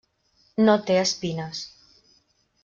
No té espines.